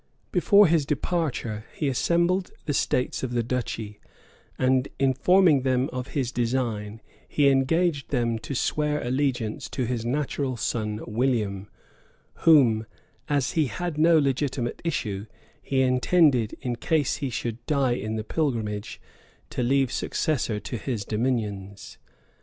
Before his departure, he assembled the states of the duchy; and in forming them of his design, he engaged them to swear allegiance to his natural son, William, whom, as he had no legitimate issue, he intended, in case he should die in the pilgrimage, to leave successor to his dominions.